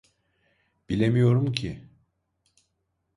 Bilemiyorum ki.